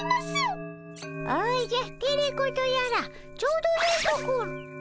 おじゃテレ子とやらちょうどよいところ。